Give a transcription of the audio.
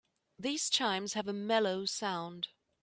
These chimes have a mellow sound.